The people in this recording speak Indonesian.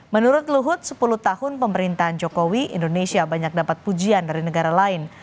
menurut luhut sepuluh tahun pemerintahan jokowi indonesia banyak dapat pujian dari negara lain